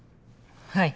はい。